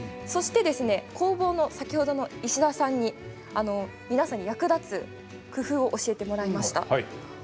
工房の石田さんに皆さんに役立つ工夫を教えてもらいました。